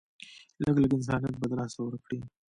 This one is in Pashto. لږ لږ انسانيت به د لاسه ورکړي